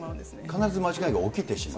必ず間違いが起きてしまう？